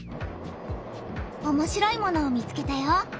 おもしろいものを見つけたよ。